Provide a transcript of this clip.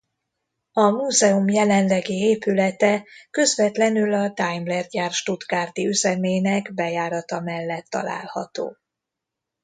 A múzeum jelenlegi épülete közvetlenül a Daimler gyár stuttgarti üzemének bejárata mellett található.